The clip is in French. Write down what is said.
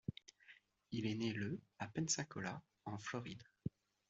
Il est né le à Pensacola en Floride.